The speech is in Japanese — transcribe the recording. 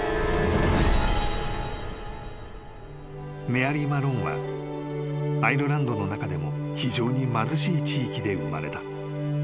［メアリー・マローンはアイルランドの中でも非常に貧しい地域で生まれた］